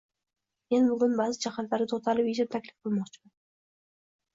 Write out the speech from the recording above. Men bugun ba’zi jihatlarga to‘xtalib, yechim taklif qilmoqchiman.